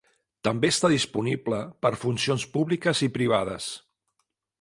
També està disponible per funcions públiques i privades.